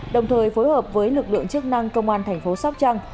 đồng thời phối hợp với lực lượng chức năng công an thành phố sóc trăng